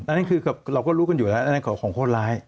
อันนี้คือเราก็รู้กันอยู่แล้วอันนั้นของโคตรร้าย